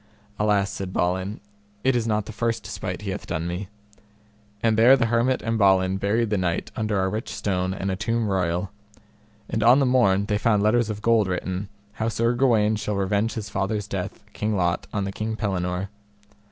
Alas, said Balin, it is not the first despite he hath done me; and there the hermit and Balin buried the knight under a rich stone and a tomb royal. And on the morn they found letters of gold written, how Sir Gawaine shall revenge his father's death, King Lot, on the King Pellinore.